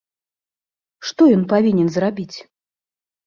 Што ён павінен зрабіць?